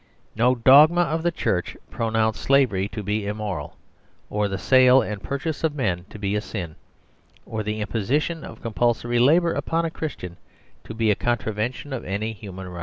No dogma of the Church pronounced Slavery to be immoral, or the sale and purchase of men to be a sin, or the imposition of compulsory labour upon a Christian to be a contravention of any human right.